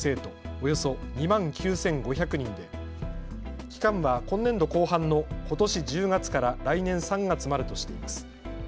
およそ２万９５００人で期間は今年度後半のことし１０月から来年３月までとしています。